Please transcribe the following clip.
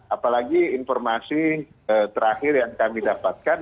apalagi informasi terakhir yang kami dapatkan